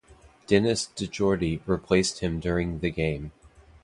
Denis DeJordy replaced him during the game.